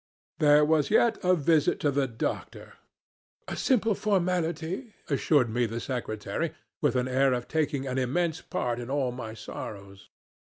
"There was yet a visit to the doctor. 'A simple formality,' assured me the secretary, with an air of taking an immense part in all my sorrows.